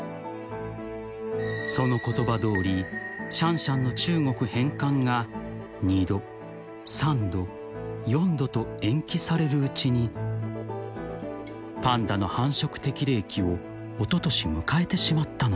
［その言葉どおりシャンシャンの中国返還が２度３度４度と延期されるうちにパンダの繁殖適齢期をおととし迎えてしまったのだ］